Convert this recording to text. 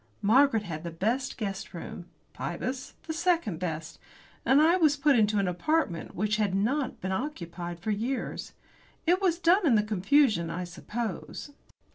Margaret had the best guest room, Pybus the second best, and I was put into an apartment which had not been occupied for years. It was done in the confusion, I suppose.